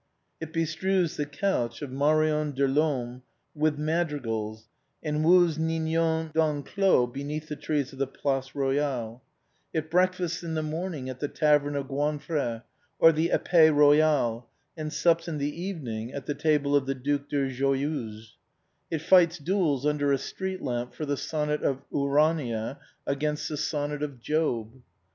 It bestrews the couch of Marion Delorme with madrigals, and woos Ninon de l'Enclos beneath the trees of the Place Royale; it breakfasts in the morning at the tavern of the Goinfres or the Epée Royale, and sups in the evening at the table of the Due de Joyeuse; it fights duels under a street lamp for the sonnet of Urania against the sonnet of Job.